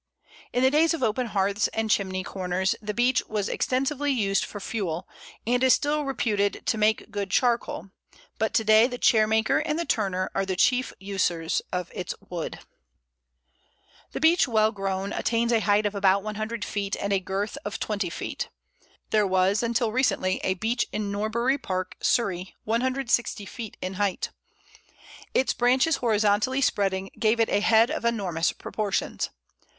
In the days of open hearths and chimney corners the Beech was extensively used for fuel, and it is still reputed to make good charcoal; but to day the chairmaker and the turner are the chief users of its wood. [Illustration: Pl. 11. Bole of Beech.] The Beech well grown attains a height of about 100 feet, and a girth of 20 feet. There was, until recently, a Beech in Norbury Park, Surrey, 160 feet in height. Its branches horizontally spreading gave it a head of enormous proportions.